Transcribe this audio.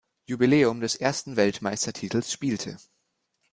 Jubiläum des ersten Weltmeistertitels spielte.